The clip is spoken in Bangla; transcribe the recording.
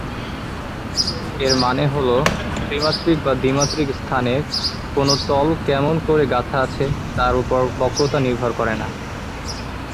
এর মানে হল, ত্রিমাত্রিক বা দ্বিমাত্রিক স্থানে কোন তল কেমন করে গাঁথা আছে তার ওপর বক্রতা নির্ভর করে না।